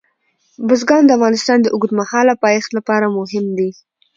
بزګان د افغانستان د اوږدمهاله پایښت لپاره مهم دي.